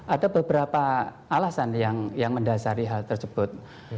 ada beberapa alasan yang mendasari hal tersebut